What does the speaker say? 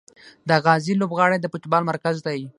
د غازي لوبغالی د فوټبال مرکز دی.